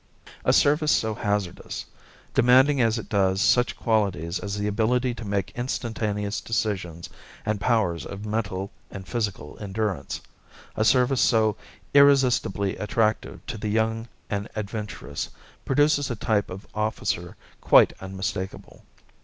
A service so hazardous, demanding as it does such qualities as the ability to make instantaneous decisions and powers of mental and physical endurance, a service so irresistibly attractive to the young and adventurous, produces a type of officer quite unmistakable.